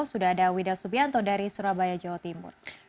sudah ada wida subianto dari surabaya jawa timur